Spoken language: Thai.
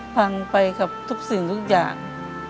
พังไปกับทุกสิ่งทุกอย่าง